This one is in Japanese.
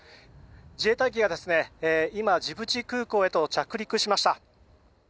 自衛隊機が今、ジブチ空港へと着陸しました。